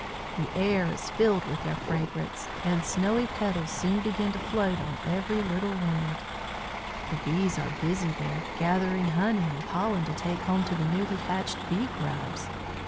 The air is filled with their fragrance, and snowy petals soon begin to float on every little wind. "The bees are busy there, gathering honey and pollen to take home to the newly hatched bee grubs.